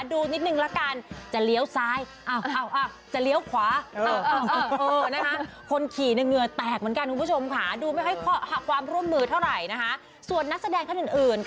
ดูนิดนึงแล้วกันจะเลี้ยวซ้ายวัน